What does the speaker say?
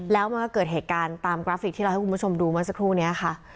แล้วมันก็เกิดเหตุการณ์ตามกราฟิกที่เราให้คุณผู้ชมดูเมื่อสักครู่นี้ค่ะ